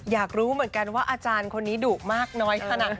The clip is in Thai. อยากรู้เหมือนกันว่าอาจารย์คนนี้ดุมากน้อยขนาดไหน